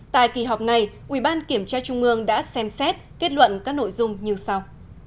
tại kỳ họp này ủy ban kiểm tra trung ương đã xem xét kết luận các nội dung như sau